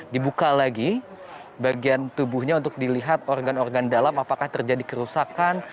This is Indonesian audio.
dibuka lagi bagian tubuhnya untuk dilihat organ organ dalam apakah terjadi kerusakan